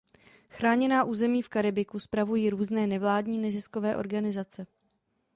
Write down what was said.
Chráněná území v Karibiku spravují různé nevládní neziskové organizace.